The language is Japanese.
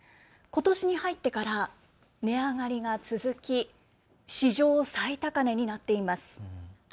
ことしに入ってから値上がりが続き史上最高値になっています。